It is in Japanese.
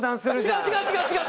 違う違う違う違う！